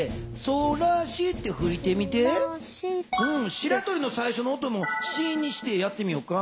しらとりの最初の音も「シ」にしてやってみようか。